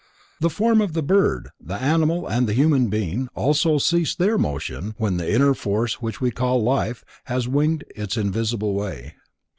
The form of the bird, the animal and the human being also cease their motion when the inner force which we call life has winged its invisible way.